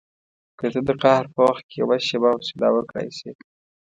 که ته د قهر په وخت کې یوه شېبه حوصله وکړای شې.